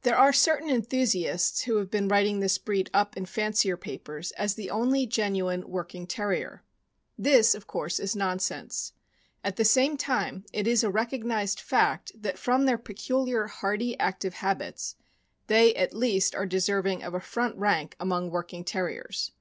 There are certain enthusiasts who have been writing this breed up in fancier papers as the only genuine working Terrier. This, of course, is non sense. At the same time it is a recognized fact that from their peculiar hardy, active habits they, at least, are deserving of a front rank among working Terriers.